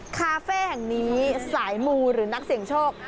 คาเฟ่แห่งนี้สายมูหรือนักเสี่ยงโชค